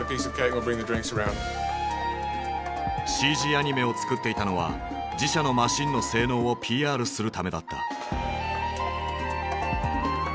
ＣＧアニメを作っていたのは自社のマシンの性能をＰＲするためだった。